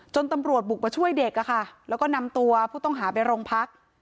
ตำรวจบุกมาช่วยเด็กแล้วก็นำตัวผู้ต้องหาไปโรงพัก